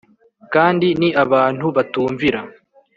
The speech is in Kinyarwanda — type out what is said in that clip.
kandi ni abantu batumvira